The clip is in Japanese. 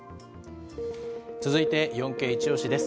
続いて、４Ｋイチオシ！です。